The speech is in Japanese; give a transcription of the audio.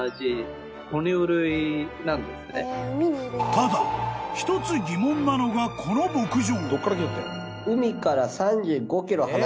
［ただ１つ疑問なのがこの牧場］